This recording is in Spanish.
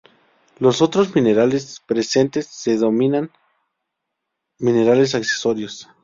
Los otros minerales presentes, se denominan minerales accesorios.